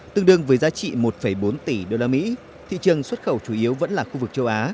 tương đương với giá trị một bốn tỷ usd thị trường xuất khẩu chủ yếu vẫn là khu vực châu á